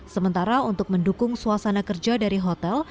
sementara untuk mendukung suasana kerja dari hotel